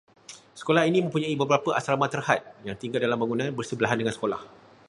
Sekolah ini mempunyai beberapa asrama terhad, yang tinggal dalam bangunan bersebelahan dengan sekolah